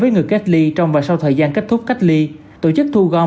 với người cách ly trong và sau thời gian kết thúc cách ly tổ chức thu gom